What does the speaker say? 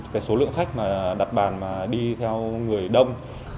cái số lượng khách mà đặt bàn mà đi theo người đông